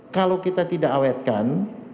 kalau kita tidak awetkan